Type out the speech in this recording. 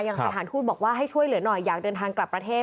สถานทูตบอกว่าให้ช่วยเหลือหน่อยอยากเดินทางกลับประเทศ